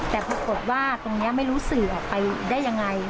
แต่ปรากฏว่าตรงนี้ไม่รู้สื่อออกไปได้ยังไง